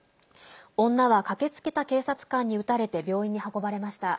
女は駆けつけた警察官に撃たれて病院に運ばれました。